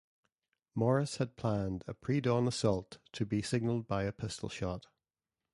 Morris had planned a predawn assault to be signaled by a pistol shot.